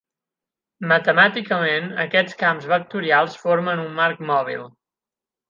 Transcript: Matemàticament aquests camps vectorials formen un marc mòbil.